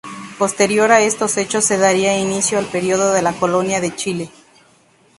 Posterior a estos hechos se daría inicio al periodo de la Colonia de Chile.